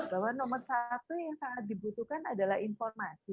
bahwa nomor satu yang sangat dibutuhkan adalah informasi